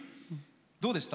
どうでした？